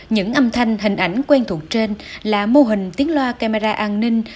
những âm thanh hình ảnh quen thuộc trên là mô hình tiếng loa camera an ninh